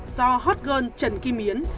do hot girl trần kim yến